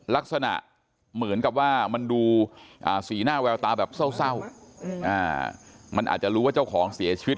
ลักษณะเหมือนกับว่ามันดูสีหน้าแววตาแบบเศร้ามันอาจจะรู้ว่าเจ้าของเสียชีวิต